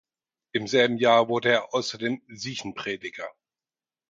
Im selben Jahr wurde er außerdem Siechenprediger.